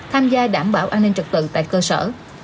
tham gia đảm bảo an ninh trật tự tại cơ sở